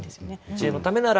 自衛のためなら。